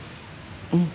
うん。